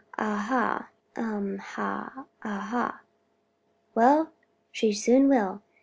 ah ha, um h'm! ah ha! Well, she soon will.